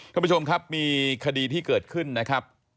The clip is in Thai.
ท่านผู้ชมครับมีคดีที่เกิดขึ้นนะครับ